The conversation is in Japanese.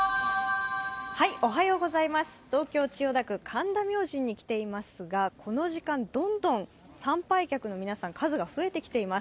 東京・千代田区、神田明神に来ていますが、この時間、どんどん参拝客の皆さん数が増えてきています。